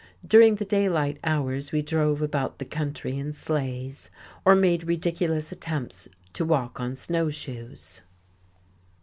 During the daylight hours we drove about the country in sleighs, or made ridiculous attempts to walk on snow shoes.